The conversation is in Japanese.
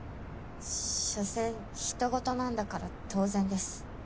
しょせんひとごとなんだから当然です。